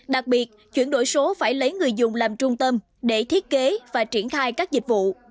đặc biệt chuyển đổi số phải lấy người dùng làm trung tâm để thiết kế và triển khai các dịch vụ